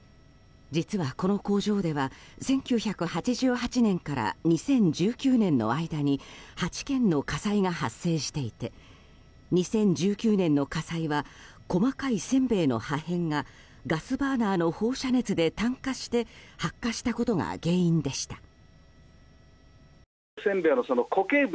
実は、この工場では１９８８年から２０１９年の間に８件の火災が発生していて２０１９年の火災は細かいせんべいの破片がガスバーナーの放射熱で炭化して発火したことが原因でした。